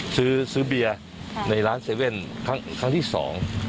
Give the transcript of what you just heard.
ซื้อเบียร์ในร้านเซเว่นครั้งที่สอง